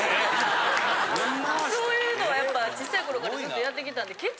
そういうのはやっぱちっさい頃からずっとやってきたんで。